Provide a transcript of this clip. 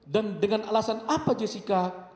dan dengan alasan apa jessica